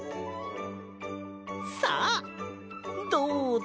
さあどうぞ！